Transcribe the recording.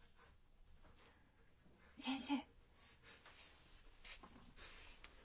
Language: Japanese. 先生。